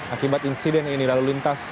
akibat insiden ini lalu lintas